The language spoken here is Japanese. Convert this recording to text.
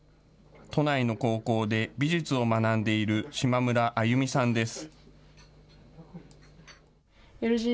都内の高校で美術を学んでいる島村彩友美さんです。